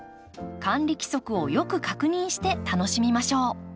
管理規則をよく確認して楽しみましょう。